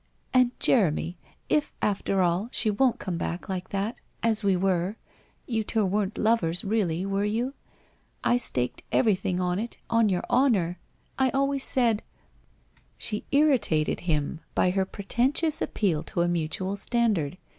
' And Jeremy, if after all, she won't come back like that — as we were — you two weren't lovers, really, were you ? I staked everything on it — on your honour. ... I always said ' She irritated him by her pretentious appeal to a mutual standard.